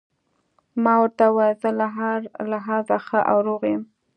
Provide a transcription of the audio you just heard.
ما ورته وویل: زه له هر لحاظه ښه او روغ یم.